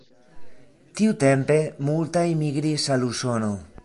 Tiutempe multaj migris al Usono.